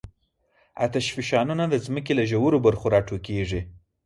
آتشفشانونه د ځمکې له ژورو برخو راټوکېږي.